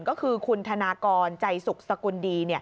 ก็คือคุณธนากรใจสุขสกุลดี